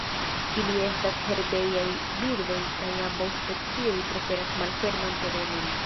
Ili estas herbejaj birdoj kaj ambaŭ specioj preferas malferman terenon.